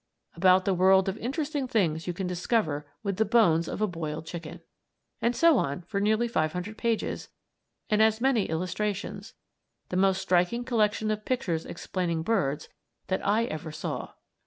About the world of interesting things you can discover with the bones of a boiled chicken. And so on for nearly five hundred pages, and as many illustrations; the most striking collection of pictures explaining birds that I ever saw.